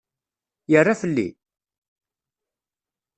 Yerra fell-i?